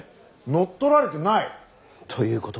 乗っ取られてない？という事は。